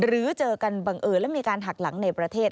เจอกันบังเอิญและมีการหักหลังในประเทศ